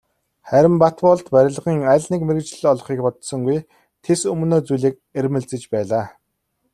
Харин Батболд барилгын аль нэг мэргэжил олохыг бодсонгүй, тэс өмнөө зүйлийг эрмэлзэж байлаа.